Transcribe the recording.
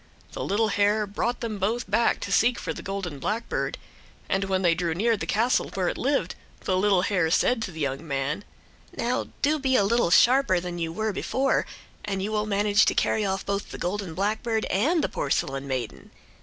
The little hare brought them both back to seek for the golden blackbird, and when they drew near the castle where it lived the little hare said to the young man: "Now, do be a little sharper than you were before, and you will manage to carry off both the golden blackbird and the porcelain maiden.